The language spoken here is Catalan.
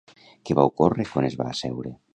Què va ocórrer quan es va asseure?